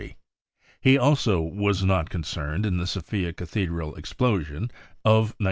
He also was not concerned in the Sofia cathedral' explosion of 1925.